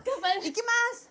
いきます！